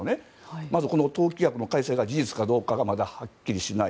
まず党規約の改正が事実かどうかはっきりしない。